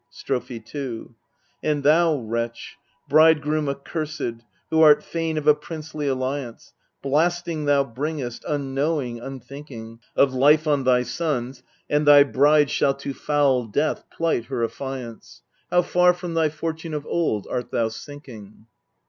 MEDEA 2/5 StropJie 2 And thou, wretch, bridegroom accursed, who art fain of a princely alliance, Blasting thou bringest unknowing, unthink ing ! Of life on thy sons, and thy bride shall to foul death plight her affiance. How far from thy fortune of old art thou sinking